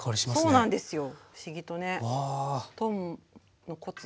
そうなんですよ。